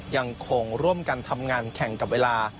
ยังคงร่วมกันทำงานแข่งกับเวลา